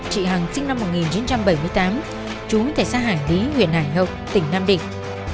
chị hằng sinh năm một nghìn chín trăm bảy mươi tám chú tại xã hải lý huyện hải hậu tỉnh nam định